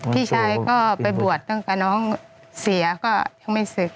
พี่ชายก็ไปบวชตั้งแต่น้องเสียก็ยังไม่ศึก